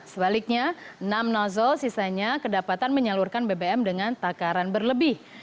sebaliknya enam nozzle sisanya kedapatan menyalurkan bbm dengan takaran berlebih